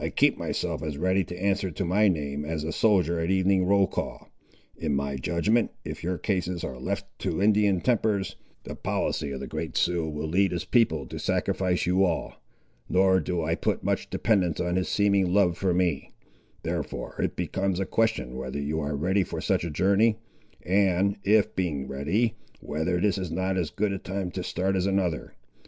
I keep myself as ready to answer to my name as a soldier at evening roll call. In my judgment, if your cases are left to Indian tempers, the policy of the Great Sioux will lead his people to sacrifice you all; nor do I put much dependence on his seeming love for me; therefore it becomes a question whether you are ready for such a journey; and if, being ready, whether this is not as good a time to start as another.